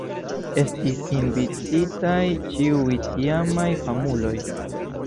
Estis invititaj ĉiuj tiamaj famuloj.